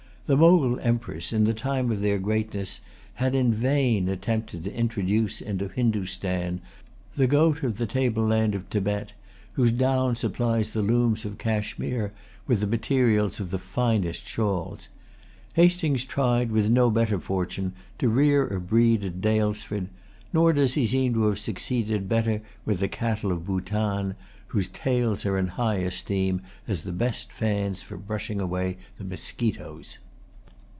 The Mogul emperors, in the time of their greatness, had in vain attempted to introduce into Hindostan the goat of the table land of Thibet, whose down supplies the looms of Cashmere with the materials of the finest shawls. Hastings tried, with no better fortune, to rear a breed at Daylesford; nor does he seem to have succeeded better with the cattle of Bootan, whose tails are in high esteem as the best fans for brushing away the mosquitoes.